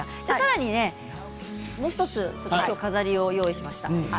さらに１つ飾りを用意しました。